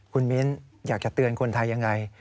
คุณมิ้นอยากจะเตือนคนไทยยังไง